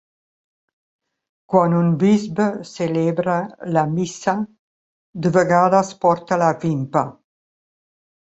Quan un bisbe celebra la missa, de vegades porta la vimpa.